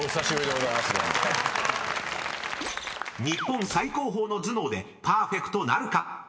［日本最高峰の頭脳でパーフェクトなるか？］